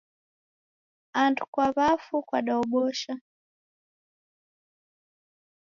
Andu kwa w'afu kwadaobosha.